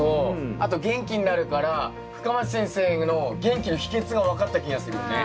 あと元気になるから深町先生の元気の秘けつが分かった気がするよね。